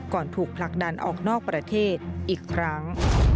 ถูกผลักดันออกนอกประเทศอีกครั้ง